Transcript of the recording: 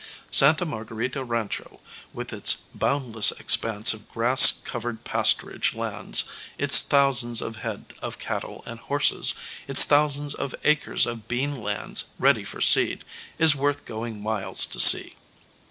Santa Marguerita Rancho, with its boundless expanse of grass covered pasturage lands, its thousands of head of cattle and horses, its thousands of acres of bean lands, ready for seed, is worth going miles to see.